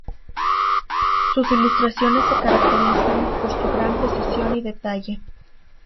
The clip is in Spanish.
Sus ilustraciones se caracterizan por su gran precisión y detalle.